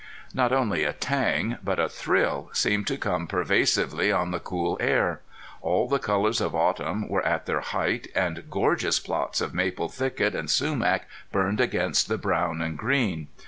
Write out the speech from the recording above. Not only a tang, but a thrill, seemed to come pervasively on the cool air. All the colors of autumn were at their height, and gorgeous plots of maple thicket and sumac burned against the brown and green.